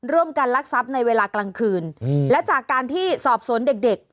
เริ่มการรักษัพในเวลากลางคืนและจากการที่สอบสนเด็ก